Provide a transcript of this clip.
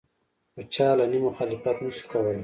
خو چا علني مخالفت نشو کولې